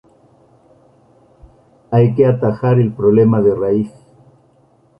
hay que atajar el problema de raíz: